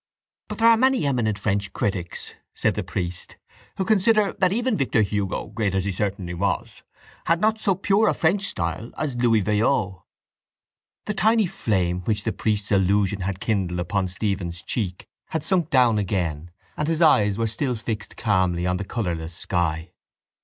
—But there are many eminent French critics, said the priest, who consider that even Victor Hugo, great as he certainly was, had not so pure a French style as Louis Veuillot. The tiny flame which the priest's allusion had kindled upon Stephen's cheek had sunk down again and his eyes were still fixed calmly on the colourless sky.